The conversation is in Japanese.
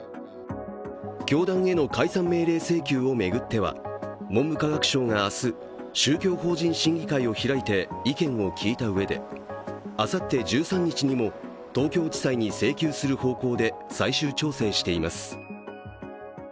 教団への解散命令請求を巡っては文部科学省が明日、宗教法人審議会を開いて意見を聞いたうえであさって１３日にも、東京地裁に請求する方向で最終調整しています。